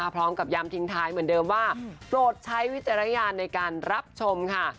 พร้อมกับย้ำทิ้งท้ายเหมือนเดิมว่าโปรดใช้วิจารณญาณในการรับชมค่ะ